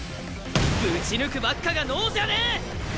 ぶち抜くばっかが能じゃねえ！